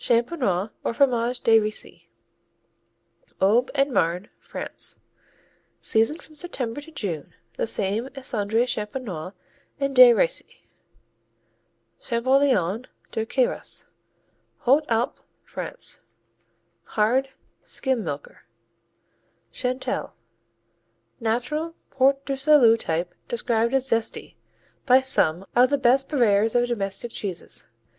Champenois or Fromage des Riceys Aube & Marne, France Season from September to June. The same as Cendré Champenois and des Riceys. Champoléon de Queyras Hautes Alpes, France. Hard; skim milker. Chantelle U.S.A. Natural Port du Salut type described as "zesty" by some of the best purveyors of domestic cheeses.